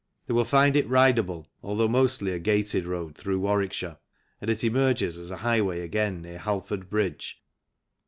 They will find it ride able, although mostly a gated road through Warwick shire, and it emerges as a highway again near Halford Bridge.